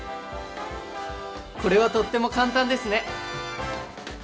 これはとっても簡単ですね！